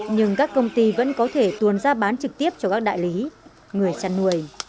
nhưng các công ty vẫn có thể tuồn ra bán trực tiếp cho các đại lý người chăn nuôi